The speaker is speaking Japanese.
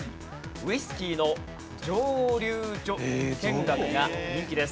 ウイスキーの蒸溜所見学が人気です。